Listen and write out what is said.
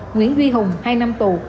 nguyễn duy hùng hai năm tù